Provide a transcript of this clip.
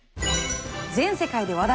全世界で話題。